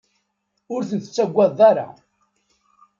Ur ten-tettagadeḍ ara.